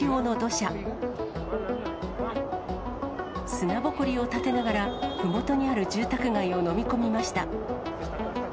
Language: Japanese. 砂ぼこりを立てながら、ふもとにある住宅街を飲み込みました。